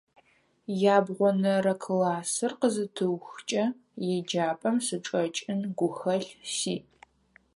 Ябгъонэрэ классыр къызытыухыкӀэ еджапӀэм сычӀэкӀын гухэлъ сиӀ.